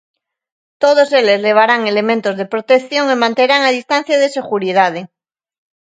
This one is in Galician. Todos eles levarán elementos de protección e manterán a distancia de seguridade.